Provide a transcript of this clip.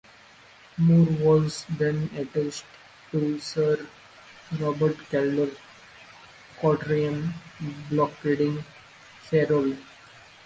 Moore was then attached to Sir Robert Calder's squadron blockading Ferrol.